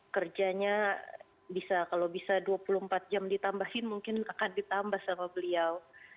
kerjanya bisa kalau bisa dua puluh empat jam ditambahin mungkin akan ditambah sama beliau